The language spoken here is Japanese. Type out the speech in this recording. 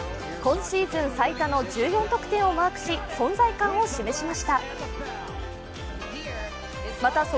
今シーズン最多の１４得点をマークし、存在感を示しました。